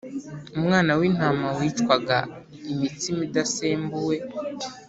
Umwana w’intama wicwaga, imitsima idasembuwe